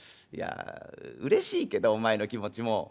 いやうれしいけどお前の気持ちも。